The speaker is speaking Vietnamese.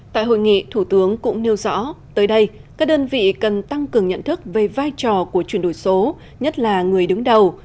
tại hội nghị thủ tướng cũng nêu rõ tới đây các đơn vị cần tăng cường nhận thức về vai trò của chuyển đổi số nhất là người đứng đầu